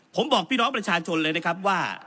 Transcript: ผมบอกพี่น้องประชาชนเลยนะครับว่า